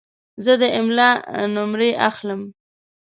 زه د املا نمرې اخلم.